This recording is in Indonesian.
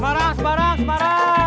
semarang semarang semarang